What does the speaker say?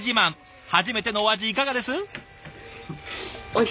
初めてのお味いかがです？